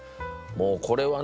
もうこれはね